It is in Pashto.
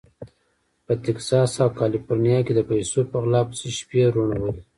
په تګزاس او کالیفورنیا کې د پیسو په غلا پسې شپې روڼولې.